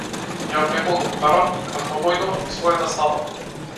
Ја облекувал како барон разнобојно својата става.